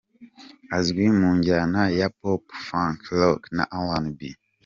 Azwi mu njyana ya Pop, Funk, Rock na R&B .